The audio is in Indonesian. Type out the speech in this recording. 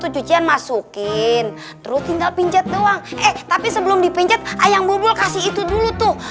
cucian masukin terus tinggal pinjat doang eh tapi sebelum dipinjat ayam bubul kasih itu dulu tuh